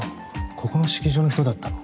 ここの式場の人だったの？